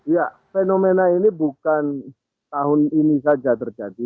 ya fenomena ini bukan tahun ini saja terjadi